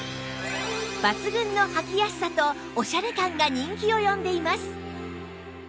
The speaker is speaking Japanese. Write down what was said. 抜群の履きやすさとオシャレ感が人気を呼んでいます